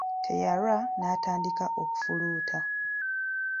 Teyalwa n'atandika okufuluuta.